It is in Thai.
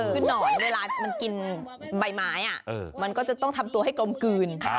คือหนอนเวลามันกินใบไม้มันก็จะต้องทำตัวให้กลมกลืน